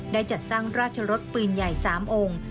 จัดสร้างราชรสปืนใหญ่๓องค์